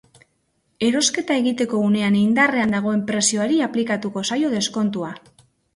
Erosketa egiteko unean indarrean dagoen prezioari aplikatuko zaio deskontua.